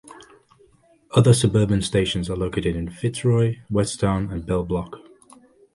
Other suburban stations are located in Fitzroy, Westown and Bell Block.